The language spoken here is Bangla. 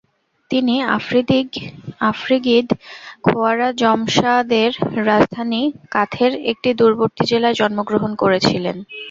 তিনি আফ্রিগিদ খোয়ারাজমশাহদের রাজধানী কাথের একটি দূরবর্তী জেলায় জন্মগ্রহণ করেছিলেন।